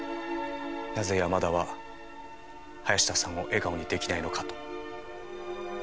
「なぜ山田は林田さんを笑顔にできないのか？」と。